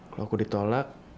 kalo aku ditolak